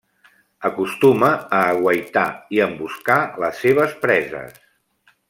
Acostuma a aguaitar i emboscar les seves preses.